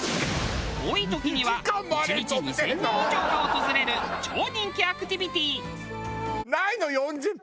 多い時には１日２０００人以上が訪れる超人気アクティビティ。